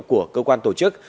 của cơ quan tổ chức